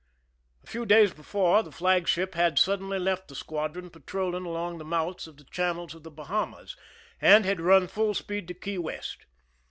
A few days before, the flagship had suddenly left the squadron patrolling along the mouths of the channels of the Bahamas, and had run full speed to Key West.